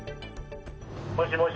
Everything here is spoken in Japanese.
もしもし。